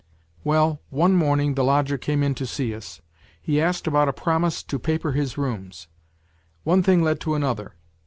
" Well, one morning the lodger came in to see us; he asked about a promise to paper his rooms. One thing led to another.